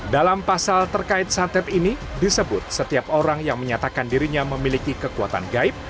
dalam pasal terkait santet ini disebut setiap orang yang menyatakan dirinya memiliki kekuatan gaib